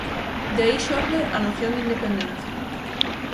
De aí xorde a noción de independencia.